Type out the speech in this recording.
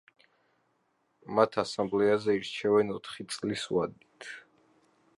მათ ასამბლეაზე ირჩევენ ოთხი წლის ვადით.